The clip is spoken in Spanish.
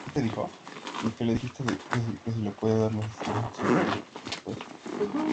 Esta bahía se abre hacia el sur.